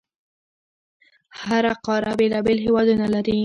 هره قاره بېلابېل هیوادونه لري.